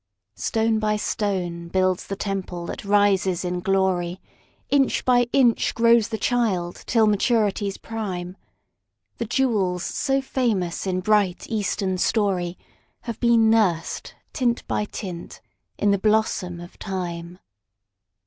Stone by stone builds the temple that rises in glory, Inch by inch grows the child till maturity's prime; The jewels so famous in bright, Eastern story Have been nursed, tint by tint, in the blossom of Time.